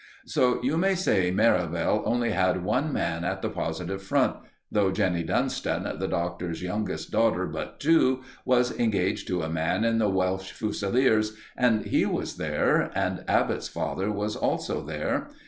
So you may say Merivale only had one man at the positive Front, though Jenny Dunston, the Doctor's youngest daughter but two, was engaged to a man in the Welsh Fusiliers, and he was there, and Abbott's father was also there.